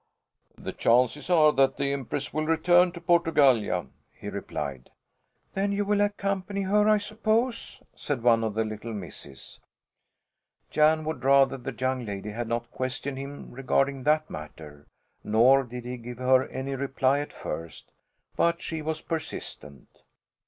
"The chances are that the Empress will return to Portugallia," he replied. "Then you will accompany her, I suppose?" said one of the little misses. Jan would rather the young lady had not questioned him regarding that matter. Nor did he give her any reply at first, but she was persistent.